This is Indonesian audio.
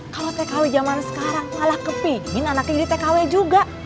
kalau tkw zaman sekarang malah kepingin anaknya jadi tkw juga